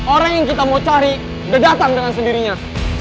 orang yang kita mau cari udah datang dengan sendirinya